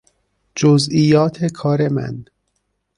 جزئیات کار من